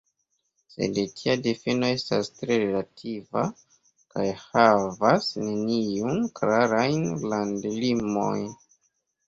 Sed tia difino estas tre relativa, kaj havas neniujn klarajn landlimojn.